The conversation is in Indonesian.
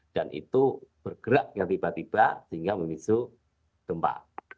dan itu bergerak yang tiba tiba hingga memisuh gempa